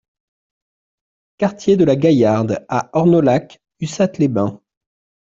Quartier de la Gaillarde à Ornolac-Ussat-les-Bains